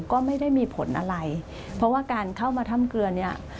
ก็ไม่ได้มีผลอะไรเพราะว่าการเข้ามาถ้ำเกลือเนี่ย